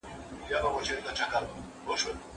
يوسف سورت صابر او متقي مسلمان ته د مرستي او بريا ډاډ ورکوي.